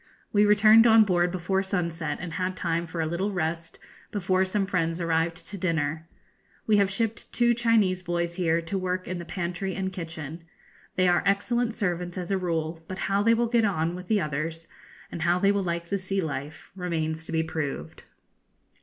We returned on board before sunset, and had time for a little rest before some friends arrived to dinner. We have shipped two Chinese boys here to work in the pantry and kitchen. They are excellent servants as a rule, but how they will get on with the others, and how they will like the sea life, remains to be proved.